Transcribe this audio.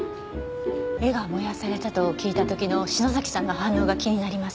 絵が燃やされたと聞いた時の篠崎さんの反応が気になります。